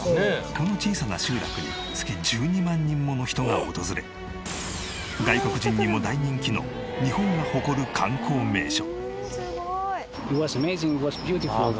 この小さな集落に月１２万人もの人が訪れ外国人にも大人気の日本が誇る観光名所。